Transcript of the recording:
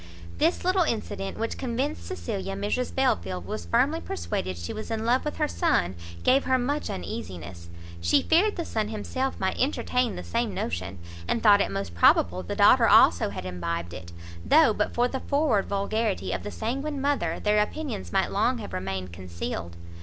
This little incident, which convinced Cecilia Mrs Belfield was firmly persuaded she was in love with her son, gave her much uneasiness; she feared the son himself might entertain the same notion, and thought it most probable the daughter also had imbibed it, though but for the forward vulgarity of the sanguine mother, their opinions might long have remained concealed.